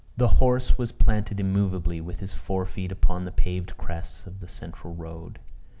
The horse was planted immovably, with his fore feet upon the paved crest of the central road.